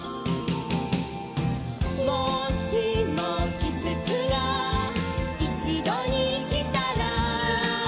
「もしもきせつがいちどにきたら」